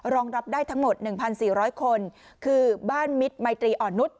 รองรับได้ทั้งหมด๑๔๐๐คนคือบ้านมิตรมัยตรีอ่อนนุษย